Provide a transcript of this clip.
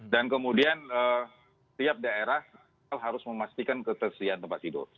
dan kemudian tiap daerah harus memastikan ketersediaan tempat tidur